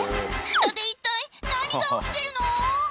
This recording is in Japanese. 下で一体何が起きてるの？